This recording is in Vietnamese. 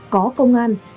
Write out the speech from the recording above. có công an